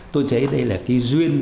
tôi thấy đây là cái duyên